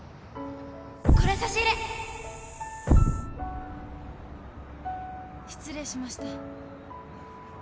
これ差し入れ失礼しました。